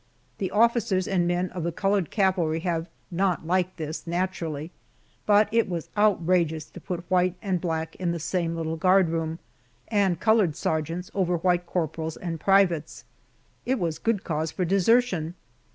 The officers and men of the colored cavalry have not liked this, naturally, but it was outrageous to put white and black in the same little guard room, and colored sergeants over white corporals and privates. It was good cause for desertion.